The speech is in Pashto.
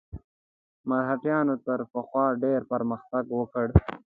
مرهټیانو تر پخوا ډېر پرمختګ وکړ.